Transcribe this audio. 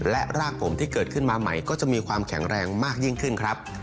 และรากผมที่เกิดขึ้นมาใหม่ก็จะมีความแข็งแรงมากยิ่งขึ้นครับ